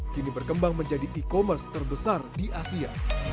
kini berkembang menjadi e commerce terbesar di asia